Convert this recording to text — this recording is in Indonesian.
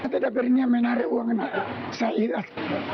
tidak berhenti menarik uang saya iras